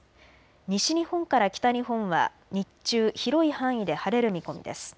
西日本から北日本は日中広い範囲で晴れる見込みです。